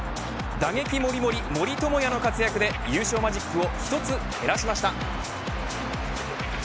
打撃モリモリ森友哉の活躍で優勝マジックを１つ減らしました。